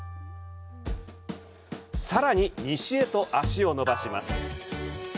さらに西へ足を延ばします。